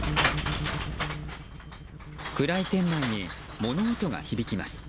暗い店内に物音が響きます。